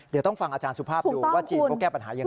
เดี๋ยวต้องฟังอาจารย์สุภาพดูว่าจีนเขาแก้ปัญหายังไง